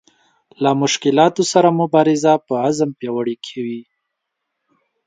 له مشکلاتو سره مبارزه په عزم پیاوړې کوي.